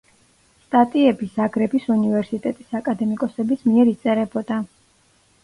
სტატიები ზაგრების უნივერსიტეტის აკადემიკოსების მიერ იწერებოდა.